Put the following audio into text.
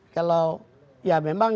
kalau ya memang ya